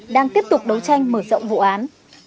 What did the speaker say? đang tiếp tục đấu tranh mở rộng vụ án